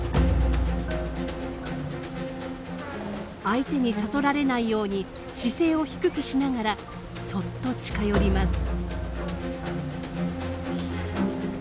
相手に悟られないように姿勢を低くしながらそっと近寄ります。